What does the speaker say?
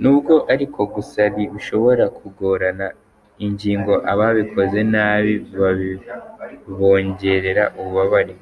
Nubwo ariko gusari bishobora kugorora ingingo, ababikoze nabi ngo bibongerera ububabare.